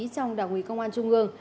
trong đảng ủy công an trung ương